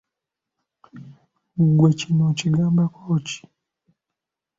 Ggwe kino okigambako ki?